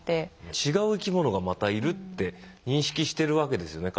違う生き物がまたいるって認識してるわけですよね